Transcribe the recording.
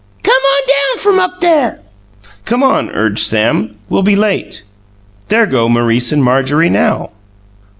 Come ahn down fr'm up there!" "Come on!" urged Sam. "We'll be late. There go Maurice and Marjorie now."